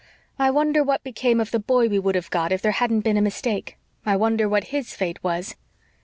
I wonder what became of the boy we would have got if there hadn't been a mistake. I wonder what HIS fate was."